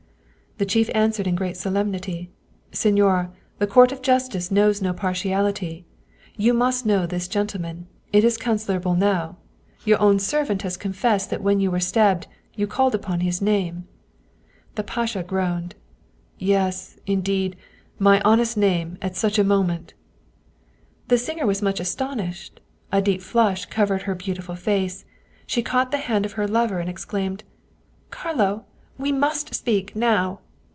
The chief answered in great solemnity :" Signora, the Court of Justice knows no partiality ! You must know this gentleman; it is Councilor Bolnau. Your own servant has confessed that when you were stabbed, you called upon his name." The pasha groaned :" Yes, indeed, my honest name at such a moment !" The singer was much astonished. A deep flush colored her beautiful face, she caught the hand of her lover and' exclaimed :" Carlo, we must speak now